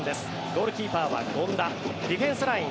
ゴールキーパーは権田ディフェンスライン